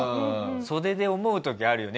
袖で思う時あるよね。